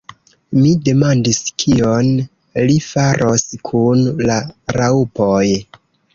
Mi demandis kion li faros kun la raŭpoj.